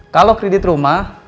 kalau kredit rumah